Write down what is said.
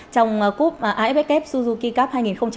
trong cúp aff suzuki cup hai nghìn một mươi tám